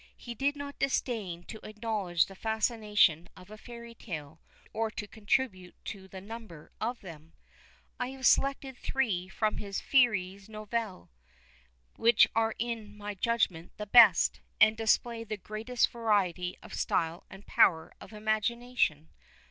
He did not disdain to acknowledge the fascination of a fairy tale, or to contribute to the number of them. I have selected three from his Féeries Nouvelles, which are in my judgment the best, and display the greatest variety of style and power of imagination.